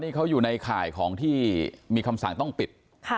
นี่เขาอยู่ในข่ายของที่มีคำสั่งต้องปิด